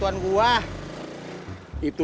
ga apa gak rahat